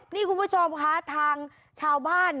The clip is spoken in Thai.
นี่คุณผู้ชมค่ะทางชาวบ้าน